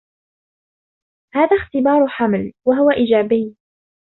هذا اختبار حمل و هو إيجابي.